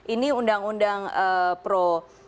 ini undang undang pro